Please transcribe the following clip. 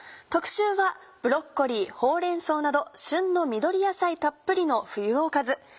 特集はブロッコリーほうれん草など旬の緑野菜たっぷりの冬おかず。